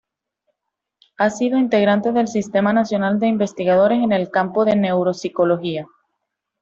Ha sido integrante del Sistema Nacional de Investigadores en el campo de la neuropsicología.